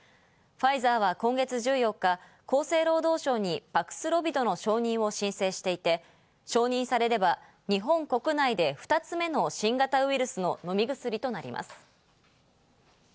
ファイザーは今月１４日、厚生労働省にパクスロビドの承認を申請していて、承認されれば日本国内で２つ目の新型ウイルスの飲み薬となります。